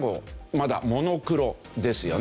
まだモノクロですよね。